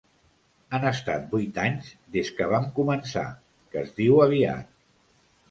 Han estat vuit anys des que vam començar, que es diu aviat.